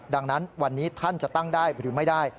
ดังนั้นวันนี้ท่านจะตั้งได้หรือไม่ได้